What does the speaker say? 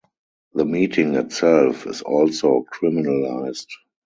The meeting itself is also criminalized.